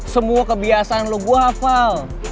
semua kebiasaan lu gue hafal